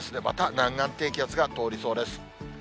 また南岸低気圧が通りそうです。